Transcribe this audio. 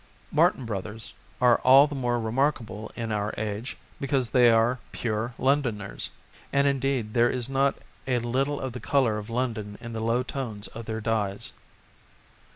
Martin Brothers are all the more remarkable in our age because they are pure Londoners, and, indeed, there is not a little of the colour of London in the low tones of their dyes.